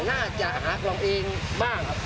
น่าจะหากล่องเองบ้าง